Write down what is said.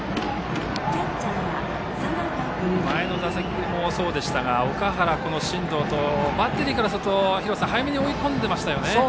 前の打席もそうでしたが岳原、進藤とバッテリーからすると廣瀬さん、早めに追い込んでましたよね。